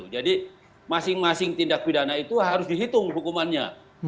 jadi masing masing tindak pidana itu harus dihitung hukumannya